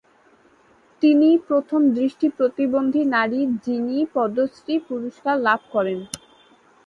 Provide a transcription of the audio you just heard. তিনিই প্রথম দৃষ্টি প্রতিবন্ধী নারী, যিনি পদ্মশ্রী পুরস্কার লাভ করেন।